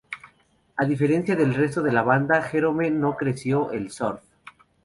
A diferencia del resto de la banda, Jerome no creció el surf.